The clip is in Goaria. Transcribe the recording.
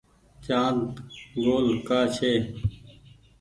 چآند گول ڪآ ڇي۔